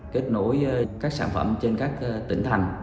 kết nối các sản phẩm trên các tỉnh thành